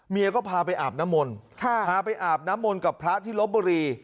เมียก็พาไปอาบน้ำมนต์ค่ะพาไปอาบน้ำมนต์กับพระทิรบบรี